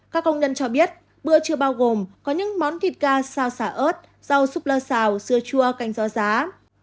các công nhân cho biết bữa trưa bao gồm có những món thịt ga xào xả ớt rau súp lơ xào sưa chua canh gió giá